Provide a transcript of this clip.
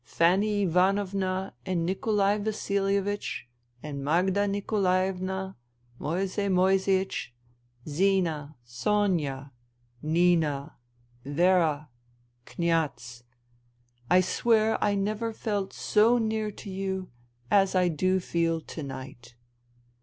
Fanny Ivanovna and Nikolai Vasilievich and Magda Nikolaevna, Moesei Moeseiech, Zina, Sonia, Nina, Vera, Kniaz : I swear I never felt so near to you as I do feel to night.